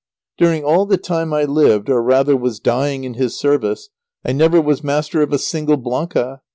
During all the time I lived, or rather was dying in his service, I never was master of a single blanca.